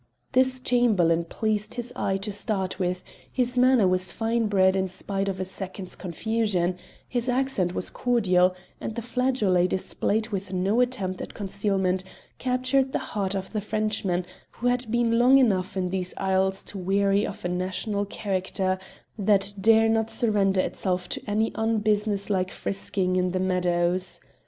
This Chamberlain pleased his eye to start with; his manner was fine bred in spite of a second's confusion; his accent was cordial, and the flageolet displayed with no attempt at concealment, captured the heart of the Frenchman, who had been long enough in these isles to weary of a national character that dare not surrender itself to any unbusiness like frisking in the meadows.